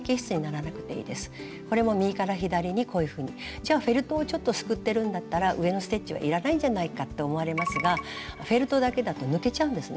じゃあフェルトをちょっとすくってるんだったら上のステッチはいらないんじゃないかって思われますがフェルトだけだと抜けちゃうんですね